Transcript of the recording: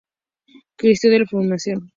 Cristo de la Flagelación.